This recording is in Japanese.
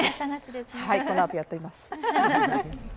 はい、このあとやっていきます！